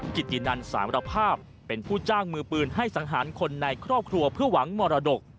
กิจตินันสารภาพเป็นผู้จ้างมือปืนให้สังหารคนในครอบครัวเพื่อหวังมรดก